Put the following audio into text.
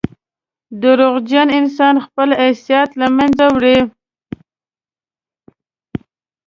• دروغجن انسان خپل حیثیت له منځه وړي.